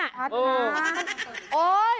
ท้าทาย